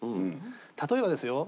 例えばですよ